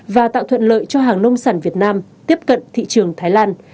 và tạo thuận lợi cho hàng nông sản việt nam tiếp cận thị trường thái lan